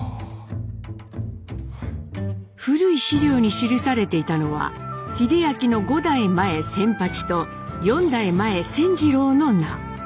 古い資料に記されていたのは英明の５代前仙八と４代前仙次郎の名。